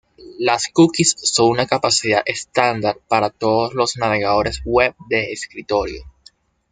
Las cookies son una capacidad estándar para todos los navegadores web de escritorio.